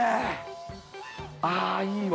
あいいわ。